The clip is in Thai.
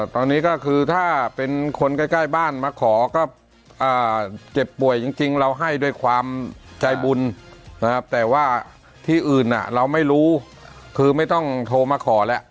ตอนนี้ก็คือถ้าเป็นคนใกล้บ้านมาขอก็เจ็บป่วยจริงเราให้ด้วยความใจบุญนะครับแต่ว่าที่อื่นเราไม่รู้คือไม่ต้องโทรมาขอแล้ว